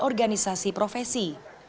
dan organisasi profesi